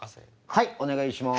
はいお願いします。